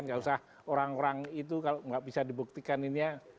nggak usah orang orang itu kalau nggak bisa dibuktikan ini ya